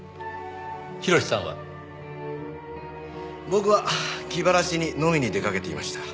僕は気晴らしに飲みに出かけていました。